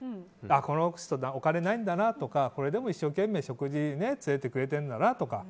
この人、お金ないんだなとかこれでも一生懸命、食事に連れて行ってくれてるんだなとか。